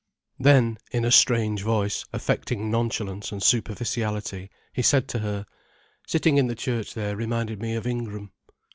Then, in a strange voice, affecting nonchalance and superficiality he said to her: "Sitting in the church there reminded me of Ingram."